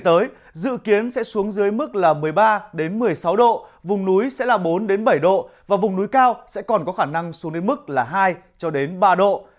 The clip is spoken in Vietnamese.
trong ba ngày tới dự kiến sẽ xuống dưới mức một mươi ba một mươi sáu độ vùng núi bốn bảy độ và vùng núi cao sẽ còn có khả năng xuống đến mức hai ba độ